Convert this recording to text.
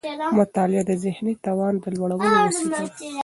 مطالعه د ذهني توان د لوړولو وسيله ده.